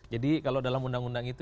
jadi kalau dalam undang undang ini